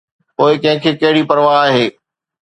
پوءِ ڪنهن کي ڪهڙي پرواهه آهي؟